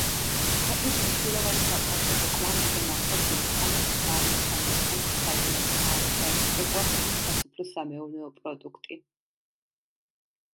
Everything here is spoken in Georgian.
ქვეყნის მნიშვნელოვანი სატრანსპორტო კვანძი და ნავსადგური ქალაქ ვარნასთან ერთად, საიდანაც გააქვთ საექსპორტო სასოფლო-სამეურნეო პროდუქტი.